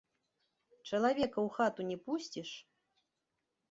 Чалавека ў хату не пусціш?